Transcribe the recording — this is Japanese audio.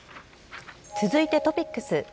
続いてトピックス。